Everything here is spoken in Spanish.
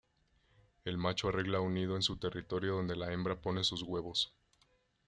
El macho arregla un nido en su territorio donde la hembra pone sus huevos.